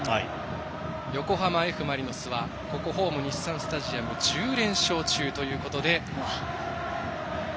横浜Ｆ・マリノスはここホーム、日産スタジアム１０連勝中ということで。